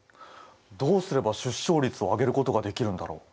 どうすれば出生率を上げることができるんだろう？